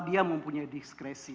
dia mempunyai diskresi